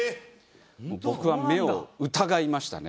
僕は目を疑いましたね。